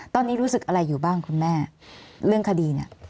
ตอนนี้รู้สึกอะไรอยู่บ้างคุณแม่เรื่องคดีเนี่ย